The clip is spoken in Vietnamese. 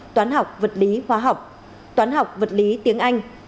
toán học vật lý hóa học toán học vật lý tiếng anh